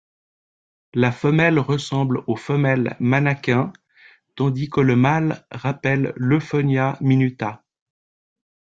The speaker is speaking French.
La femelle ressemble aux femelles manakins, tandis que le mâle rappelle l'Euphonia minuta.